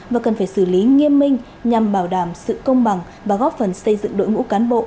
và cần phải xử lý nghiêm minh nhằm bảo đảm